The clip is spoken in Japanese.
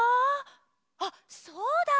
あっそうだ！